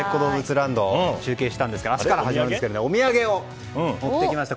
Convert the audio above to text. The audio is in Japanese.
ＬＡＮＤ中継したんですが明日からは始まるんですがお土産を持ってきました。